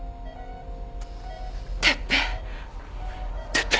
哲平。